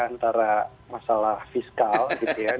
antara masalah fiskal gitu ya